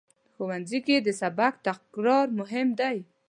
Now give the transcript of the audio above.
ښوونځی کې د سبق تکرار مهم دی